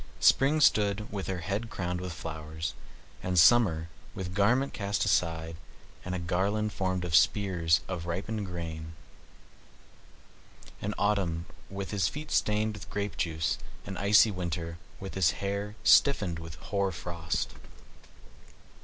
Spring stood with her head crowned with flowers, and Summer, with garment cast aside, and a garland formed of spears of ripened grain, and Autumn, with his feet stained with grape juice, and icy Winter, with his hair stiffened with hoar frost.